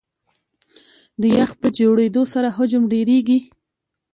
د یخ په جوړېدو سره حجم ډېرېږي.